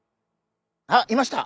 あっいました！